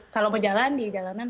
kalau mau jalan di jalanan